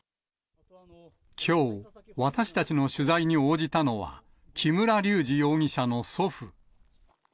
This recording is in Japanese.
きょう、私たちの取材に応じたのは、木村隆二容疑者の祖父。